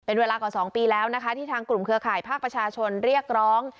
เป็นเวลากว่า๒ปีแล้วนะคะที่ทางกลุ่มเครือข่ายภาคประชาชนเรียกร้อง